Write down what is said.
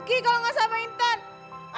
kenapa anda teruja